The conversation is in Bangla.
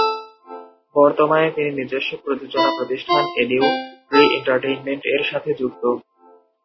বর্তমানে তিনি নিজস্ব প্রযোজনা প্রতিষ্ঠান "এ নিউ ট্রি এন্টারটেইনমেন্ট"-এর সাথে যুক্ত।